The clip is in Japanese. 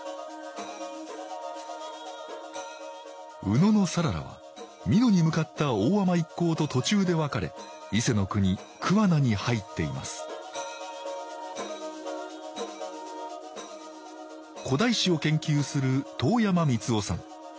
野讃良は美濃に向かった大海人一行と途中で別れ伊勢国桑名に入っています古代史を研究する遠山美都男さん。